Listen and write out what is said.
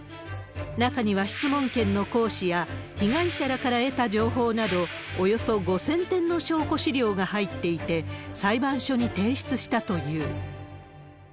中には質問権の行使や、被害者らから得た情報など、およそ５０００点の証拠資料が入っていて、裁判所に提出したという。